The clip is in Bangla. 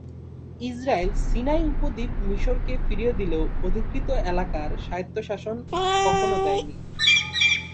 ইসরাইল সিনাই উপদ্বীপ মিশরকে ফিরিয়ে দিলেও অধিকৃত এলাকার স্বায়ত্তশাসন কখনো দেয়নি।